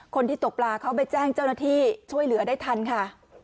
คนที่ตกปลาเขาไปแจ้งเจ้าหน้าที่ช่วยเหลือได้ทันค่ะ